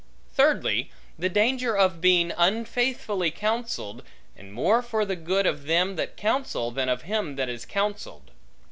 Thirdly, the danger of being unfaithfully counselled, and more for the good of them that counsel, than of him that is counselled.